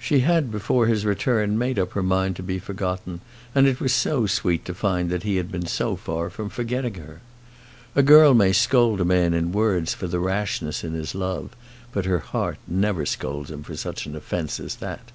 She had before his return made up her mind to be forgotten, and it was so sweet to find that he had been so far from forgetting her. A girl may scold a man in words for rashness in his love, but her heart never scolds him for such an offence as that.